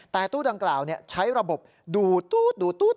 แต่ตู้ดังกล่าวใช้ระบบดูตู๊ดดูตู๊ด